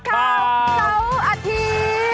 คู่กัดสบัดข่าวเส้าอาทิตย์